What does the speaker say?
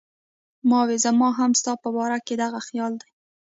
ما وې زما هم ستا پۀ باره کښې دغه خيال دی